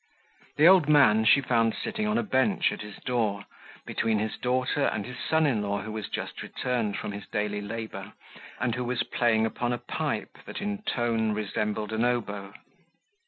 The old man she found sitting on a bench at his door, between his daughter, and his son in law, who was just returned from his daily labour, and who was playing upon a pipe, that, in tone, resembled an oboe.